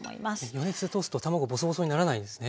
余熱で通すと卵ぼそぼそにならないですね。